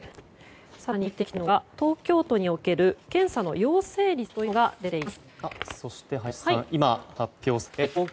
そして更に見ていきたいのが東京都における検査の陽性率というのが出ています。